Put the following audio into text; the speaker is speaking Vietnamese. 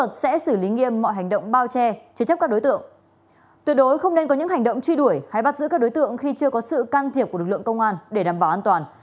tuyệt đối không nên có những hành động truy đuổi hay bắt giữ các đối tượng khi chưa có sự can thiệp của lực lượng công an để đảm bảo an toàn